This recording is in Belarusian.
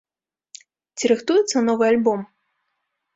Ці рыхтуецца новы альбом?